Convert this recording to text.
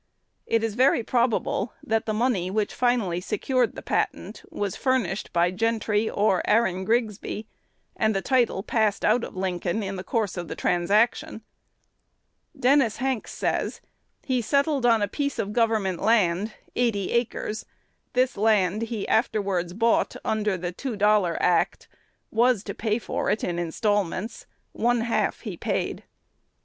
It is very probable that the money which finally secured the patent was furnished by Gentry or Aaron Grigsby, and the title passed out of Lincoln in the course of the transaction. Dennis Hanks says, "He settled on a piece of government land, eighty acres. This land he afterwards bought under the Two Dollar Act; was to pay for it in instalments; one half he paid."